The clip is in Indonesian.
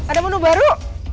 ada menu baru